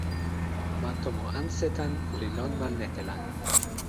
ma tomo Ansetan li lon ma Netelan.